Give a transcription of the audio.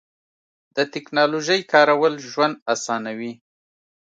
د تکنالوژۍ کارول ژوند اسانوي.